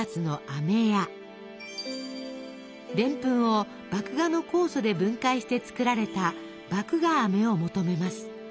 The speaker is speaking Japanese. でんぷんを麦芽の酵素で分解して作られた「麦芽あめ」を求めます。